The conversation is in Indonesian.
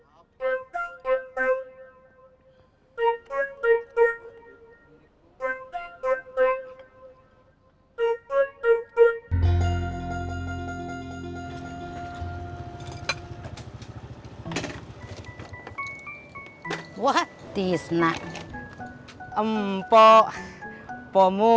terima kasih bos